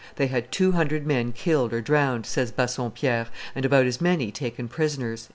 "They had two hundred men killed or drowned," says Bassompierre, "and about as many taken prisoners."